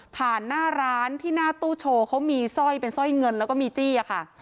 หน้าร้านที่หน้าตู้โชว์เขามีสร้อยเป็นสร้อยเงินแล้วก็มีจี้อะค่ะ